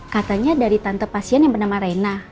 katanya dari tante pasien yang bernama raina